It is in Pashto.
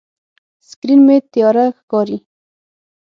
سکرین مې تیاره ښکاري.